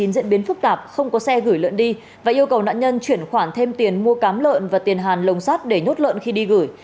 diễn biến phức tạp không có xe gửi lợn đi và yêu cầu nạn nhân chuyển khoản thêm tiền mua cám lợn và tiền hàn lồng sắt để nhốt lợn khi đi gửi